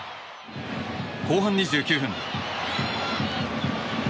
後半２９分。